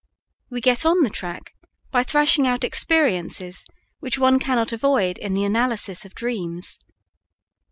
We get on the track by thrashing out experiences which one cannot avoid in the analysis of dreams.